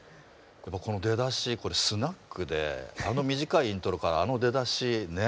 この出だしこれスナックであの短いイントロからあの出だしねえ